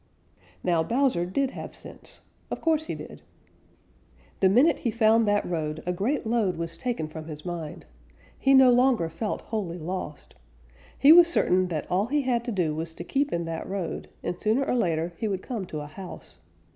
Now Bowser did have sense. Of course he did. The minute he found that road, a great load was taken from his mind. He no longer felt wholly lost. He was certain that all he had to do was to keep in that road, and sooner or later he would come to a house.